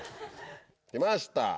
来ました